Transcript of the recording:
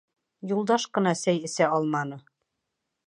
Юлдаш ҡына сәй эсә алманы.